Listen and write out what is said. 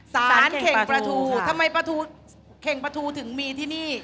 สารเข็งประทูทำไมประทูเข็งประทูถึงมีที่นี่